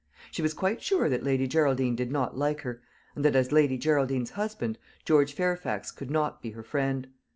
She was quite sure that Lady Geraldine did not like her, and that, as Lady Geraldine's husband, George Fairfax could not be her friend.